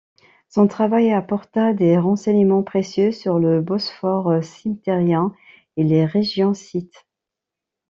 Son travail apporta des renseignements précieux sur le Bosphore cimmérien et les régions scythes.